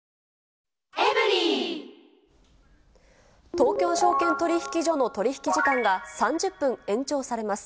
東京証券取引所の取り引き時間が３０分延長されます。